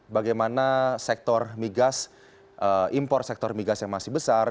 bagaimana sektor migas impor sektor migas yang masih besar